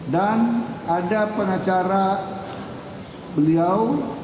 dan ada penacara beliau